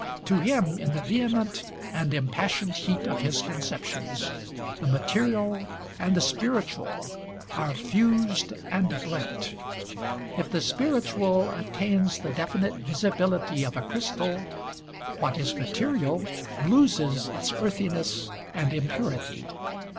To him, in the vehement and impassioned heat of his conceptions, the material and the spiritual are fused and blent: if the spiritual attains the definite visibility of a crystal, what is material loses its earthiness and impurity.